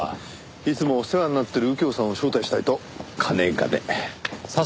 いつもお世話になってる右京さんを招待したいとかねがね。